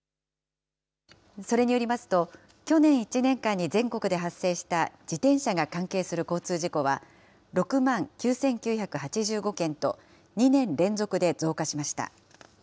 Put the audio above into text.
それによりますと、去年１年間に全国で発生した自転車が関係する交通事故は、６万９９８５件と、２年連続で増加しました。